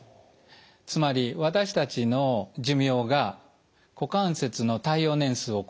つまり私たちの寿命が股関節の耐用年数を超えてしまうんです。